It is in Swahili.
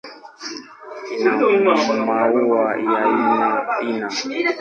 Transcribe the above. Ina maua ya aina aina.